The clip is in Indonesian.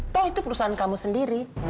toh itu perusahaan kamu sendiri